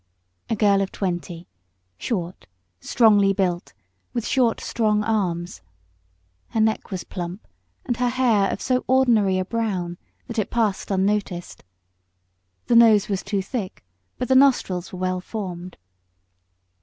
A girl of twenty, short, strongly built, with short, strong arms. Her neck was plump, and her hair of so ordinary a brown that it passed unnoticed. The nose was too thick, but the nostrils were well formed.